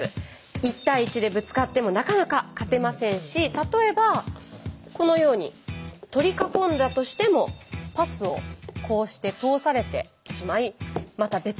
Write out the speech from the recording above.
１対１でぶつかってもなかなか勝てませんし例えばこのように取り囲んだとしてもパスをこうして通されてしまいまた別のハイポインターの選手に